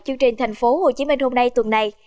chương trình thành phố hồ chí minh hôm nay tuần này